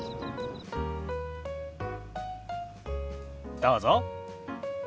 どうぞ。